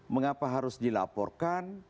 mengapa harus dilaporkan